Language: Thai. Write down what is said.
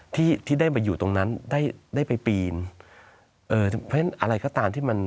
ที่ที่ได้มาอยู่ตรงนั้นได้ได้ไปปีนเออเพราะฉะนั้นอะไรก็ตามที่มัน